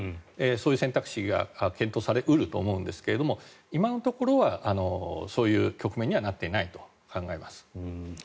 そういう選択肢が検討され得ると思うんですが今のところは、そういう局面にはなっていないと考えます。